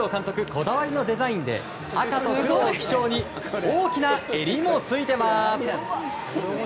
こだわりのデザインで赤と黒を基調に大きな襟もついています。